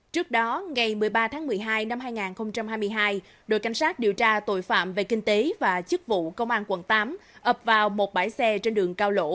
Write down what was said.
trước đó ngày một mươi ba tháng một mươi hai năm hai nghìn hai mươi hai đội cảnh sát điều tra tội phạm về kinh tế và chức vụ công an quận tám ập vào một bãi xe trên đường cao lộ